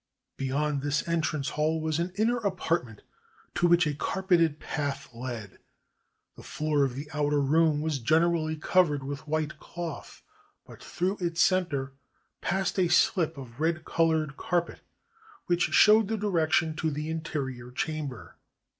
Beyond this entrance hall was an inner apartment to which a car peted path led. The floor of the outer room was generally covered with white cloth, but through its center passed a slip of red colored carpet, which showed the direction to the interior chamber.